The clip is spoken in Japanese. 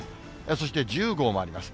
そして１０号もあります。